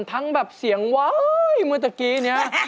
ทั้งแบบเสียงว้ายเมื่อเมื่อกี๊นี้